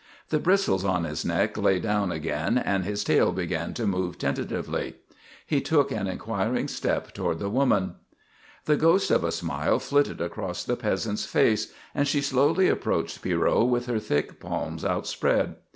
The bristles on his neck lay down again and his tail began to move tentatively. He took an inquiring step toward the woman. The ghost of a smile flitted across the peasant's face and she slowly approached Pierrot with her thick palms outspread.